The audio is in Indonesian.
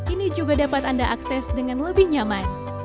ini juga dapat anda akses dengan lebih nyaman